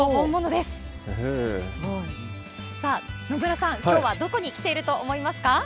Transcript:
すごい。さあ、野村さん、きょうはどこに来ていると思いますか？